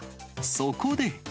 そこで。